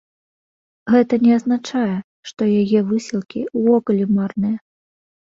Гэта не азначае, што яе высілкі ўвогуле марныя.